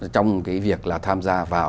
trong cái việc là tham gia vào